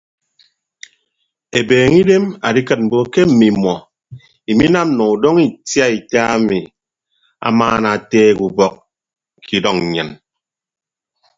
Ebeeñe idem adikịt mbo ke mmimọ iminam nọ udọñọ itiaita ami amaana ateek ubọk ke idʌñ nnyịn.